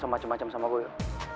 mau semacam macam sama gua yuk